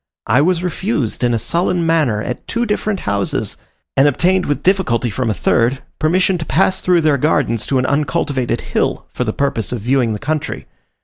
I was refused in a sullen manner at two different houses, and obtained with difficulty from a third, permission to pass through their gardens to an uncultivated hill, for the purpose of viewing the country.